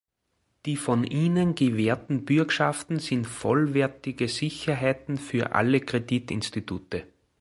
Die von ihnen gewährten Bürgschaften sind vollwertige Sicherheiten für alle Kreditinstitute.